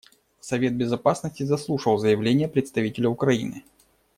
Совет Безопасности заслушал заявление представителя Украины.